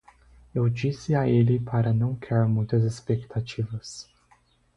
Eu disse a ele para não criar muitas expectativas.